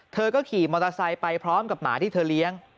เธอก็ขี่มอเตอร์ไซค์ไปพร้อมกับหมาที่เธอเลี้ยง